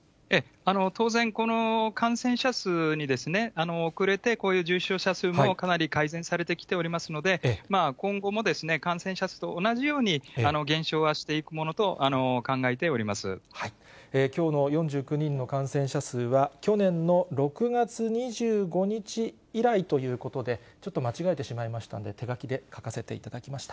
当然、この感染者数に遅れてこういう重症者数もかなり改善されてきておりますので、今後も感染者数と同じように、減少はしていくものときょうの４９人の感染者数は、去年の６月２５日以来ということで、ちょっと間違えてしまいましたんで、手書きで書かせていただきました。